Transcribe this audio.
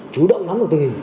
chủ động nắm được tình hình